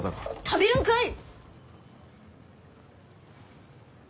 食べるんかい！